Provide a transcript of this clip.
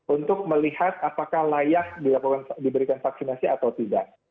untuk melihat apakah layak diberikan vaksinasi atau tidak